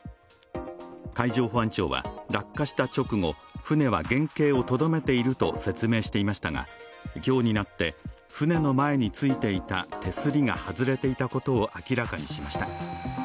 海上保安庁は落下した直後、船は原形をとどめていると説明していましたが今日になって、船の前についていた手すりが外れていたことを明らかに為ました。